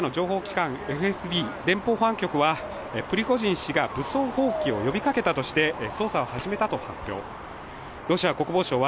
これに対し、ロシアの情報機関、ＦＳＢ＝連邦保安局は、プリゴジン氏が武装蜂起を呼びかけたとして捜査を始めたと発表。